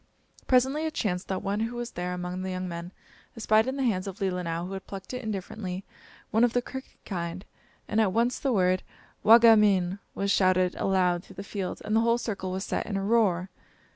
Presently it chanced that one who was there among the young men espied in the hands of Leelinau, who had plucked it indifferently, one of the crooked kind, and at once the word "Wa ge min!" was shouted aloud through the field, and the whole circle was set in a roar.